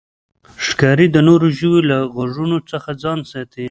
ښکاري د نورو ژویو له غږونو ځان ساتي.